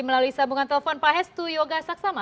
dan lalu isabungkan telepon pak hestu yoga saksama